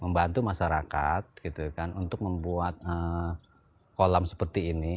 membantu masyarakat gitu kan untuk membuat kolam seperti ini